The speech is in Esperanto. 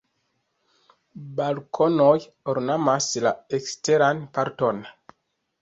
Balkonoj ornamas la eksteran parton.